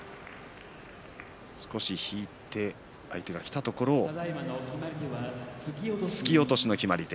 少し引いて相手がきたところを突き落としの決まり手。